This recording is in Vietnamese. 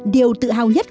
điều tự hào nhất